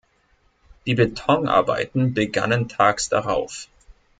Die Betonarbeiten begannen tags darauf.